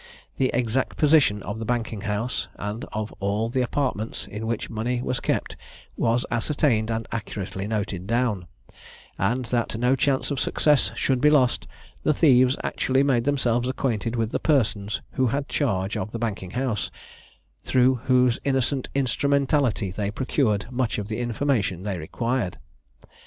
The exact position of the banking house, and of all the apartments in which money was kept, was ascertained and accurately noted down; and that no chance of success should be lost, the thieves actually made themselves acquainted with the persons who had charge of the banking house, through whose innocent instrumentality they procured much of the information which they required.